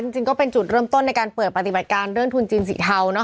จริงก็เป็นจุดเริ่มต้นในการเปิดปฏิบัติการเรื่องทุนจีนสีเทา